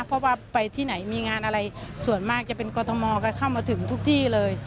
เพราะว่าไปที่ไหนมีงานอะไรส่วนมากจะเป็นกรทมก็เข้ามาถึงทุกที่เลย